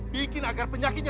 biar itu jadi urusan saya